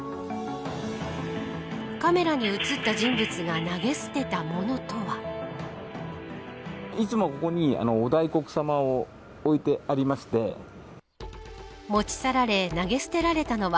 カメラに映った人物が投げ捨てたものとは。